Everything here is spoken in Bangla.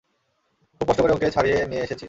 খুব কষ্ট করে ওকে ছাড়িয়ে নিয়ে এসেছি।